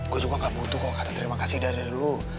gue juga nggak butuh kata terima kasih dari lo